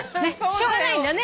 しょうがないんだね。